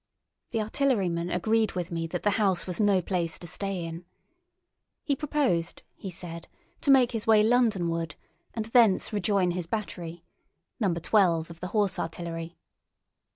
The artilleryman agreed with me that the house was no place to stay in. He proposed, he said, to make his way Londonward, and thence rejoin his battery—No. 12, of the Horse Artillery.